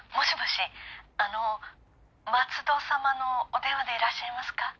あの松戸様のお電話でいらっしゃいますか？